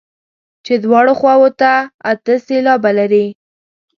چې دواړو خواوو ته اته سېلابه لري.